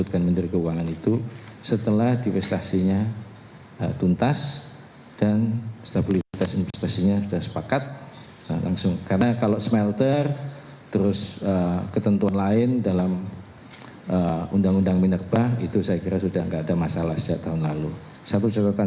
kementerian keuangan telah melakukan upaya upaya